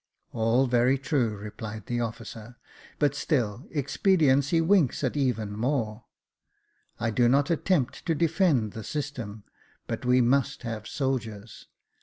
All very true," replied the officer, " but still ex pediency winks at even more. I do not attempt to defend the system, but we must have soldiers.